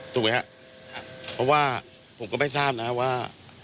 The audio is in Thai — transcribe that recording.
ถูกไหมครับเพราะว่าผมก็ไม่ทราบนะว่า